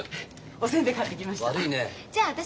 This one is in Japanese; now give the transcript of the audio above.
お煎餅買ってきました。